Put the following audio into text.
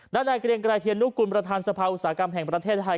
ด้านในกระเด็นกรายเทียนลุคคุณประธานสภาอุตสาหกรรมแห่งประเทศไทย